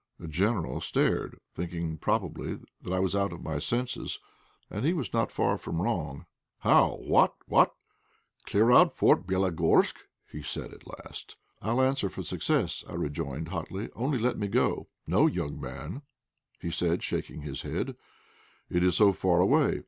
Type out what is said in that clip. The General stared, thinking, probably, that I was out of my senses; and he was not far wrong. "How? What! what! Clear out Fort Bélogorsk!" he said at last. "I'll answer for success!" I rejoined, hotly. "Only let me go." "No, young man," he said, shaking his head; "it is so far away.